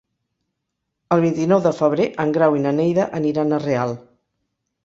El vint-i-nou de febrer en Grau i na Neida aniran a Real.